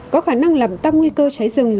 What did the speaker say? có khả năng làm tăng nguy cơ cháy rừng